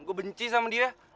gue benci sama dia